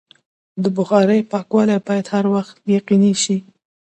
د بخارۍ پاکوالی باید هر وخت یقیني شي.